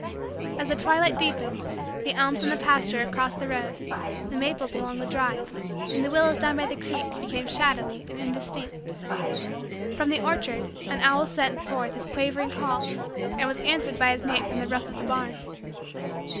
As the twilight deepened, the elms in the pasture across the road, the maples along the drive, and the willows down by the creek, became shadowy and indistinct. From the orchard, an owl sent forth his quavering call and was answered by his mate from the roof of the barn.